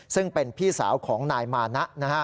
ซึ่งเป็นพี่สาวของนายมานะ